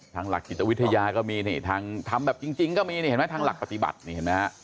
ทางหลักกิจวิทยาก็มีทางทำแบบจริงก็มีทางหลักปฏิบัติ